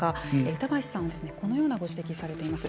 板橋さんはこのような指摘をされています。